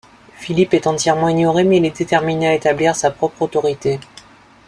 Philippe est entièrement ignoré mais il est déterminé à établir sa propre autorité.